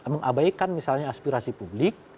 mengabaikan aspirasi publik